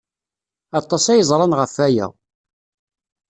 Aṭas ay ẓran ɣef waya.